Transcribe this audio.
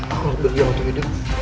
aku lebih jauh untuk hidup